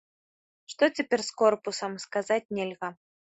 Што цяпер з корпусам, сказаць нельга.